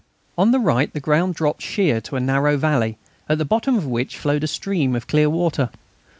On the right the ground dropped sheer to a narrow valley, at the bottom of which flowed a stream of clear water.